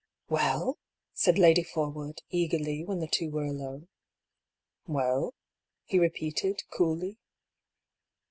" Well ?" said Lady Forwood, eagerly, when the two were alone. " Well ?" he repeated, coolly.